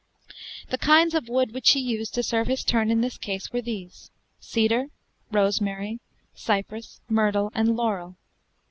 The kindes of woodde which hee used to serve his turne in this case were these: Cedre, Rosemary, Cipres, Mirtle, and Laurell.